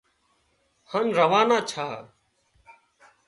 هانَ روانا ڇا